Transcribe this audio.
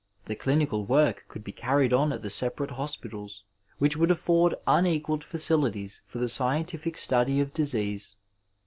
The clinioal work could be carried on at the separate hospijtals, which would afford unequalled facilities for the scientific study of disease.